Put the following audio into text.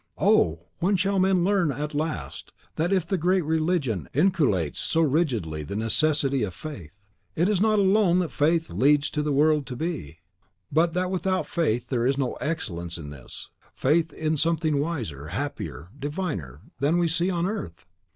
Oh, when shall men learn, at last, that if the Great Religion inculcates so rigidly the necessity of FAITH, it is not alone that FAITH leads to the world to be; but that without faith there is no excellence in this, faith in something wiser, happier, diviner, than we see on earth!